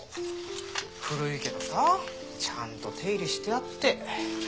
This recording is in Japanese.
古いけどさちゃんと手入れしてあって。